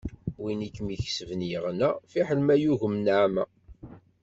Win i kem-ikesben yeɣna, fiḥel ma yuǧew nneɛma.